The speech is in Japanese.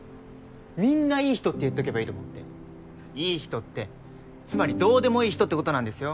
みんないい人って言っとけばいいと思っていい人ってつまりどうでもいい人ってことなんですよ